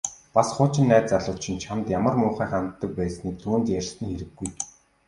Бас хуучин найз залуу чинь чамд ямар муухай ханддаг байсныг түүнд ярьсны хэрэггүй.